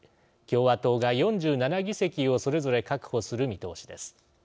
共和党が４７議席をそれぞれ確保する見通しです。